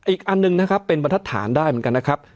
อีกอันหนึ่งนะครับเป็นบรรทัดฐานได้เหมือนกันนะครับ